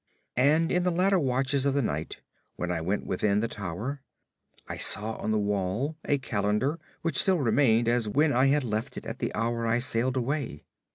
And in the later watches of the night, when I went within the tower, I saw on the wall a calendar which still remained as when I had left it at the hour I sailed away.